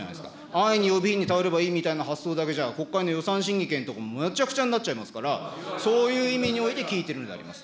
安易に予備費に頼ればいいというような発想だけじゃ、国会の予算審議権とかもむちゃくちゃになっちゃいますから、そういう意味において聞いてるんであります。